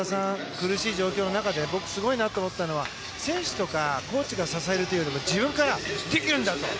苦しい状況の中で僕すごいなと思ったのが選手とかコーチが支えるというより自分が引っ張ってくんだと。